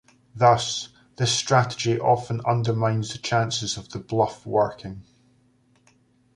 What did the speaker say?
Thus, this strategy often undermines the chances of the bluff working.